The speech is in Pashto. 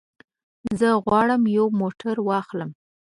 زه غواړم یو موټر واخلم.